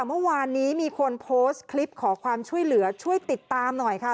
เมื่อวานนี้มีคนโพสต์คลิปขอความช่วยเหลือช่วยติดตามหน่อยค่ะ